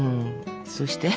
そうして。